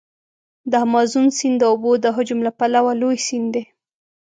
د امازون سیند د اوبو د حجم له پلوه لوی سیند دی.